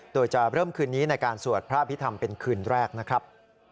โดยจะเริ่มคืนนี้ในการสวดพระอภิษฐรรมเป็นคืนแรกนะครับ